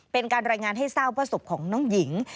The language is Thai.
เป็นการรายงานให้ทราบว่าศพของน้องหญิง